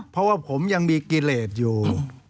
เพราะว่าผมยังมีกิเลสอยู่